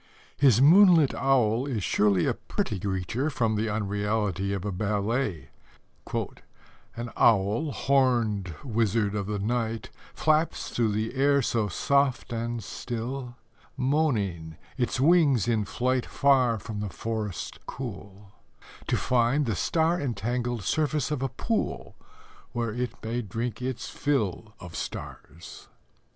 His moonlight owl is surely a pretty creature from the unreality of a ballet: An owl, horned wizard of the night, Flaps through the air so soft and still; Moaning, it wings its flight Far from the forest cool, To find the star entangled surface of a pool, Where it may drink its fill Of stars.